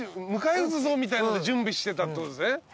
迎え撃つぞみたいなので準備してたってことですね。